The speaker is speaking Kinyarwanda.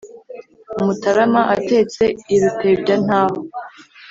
umutarama atetse i rutebya-ntaho.